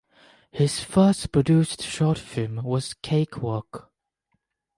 His first produced short film was Cakewalk.